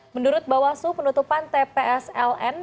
menurut bahwasu penutupan tpsln